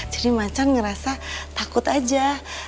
jadi macan ngerasa takut aja